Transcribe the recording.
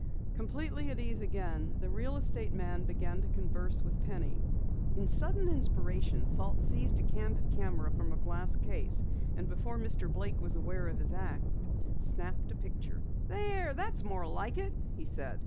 Completely at ease again, the real estate man began to converse with Penny. In sudden inspiration, Salt seized a candid camera from a glass case, and before Mr. Blake was aware of his act, snapped a picture. "There, that's more like it," he said.